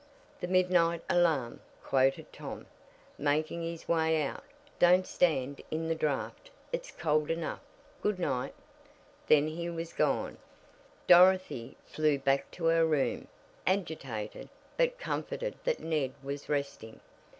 "The midnight alarm!" quoted Tom, making his way out. "Don't stand in the draft. It's cold enough. Good night!" Then he was gone. Dorothy flew back to her room, agitated, but comforted that Ned was resting.